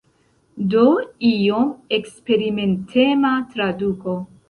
Do iom eksperimentema traduko.